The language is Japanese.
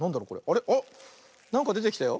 あっなんかでてきたよ。